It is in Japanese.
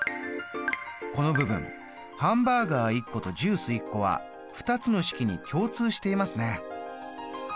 この部分ハンバーガー１個とジュース１個は２つの式に共通していますね。